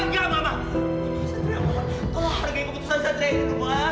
satria tolong hargai keputusan satria ini ma